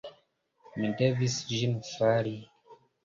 Mi devis ĝin fari.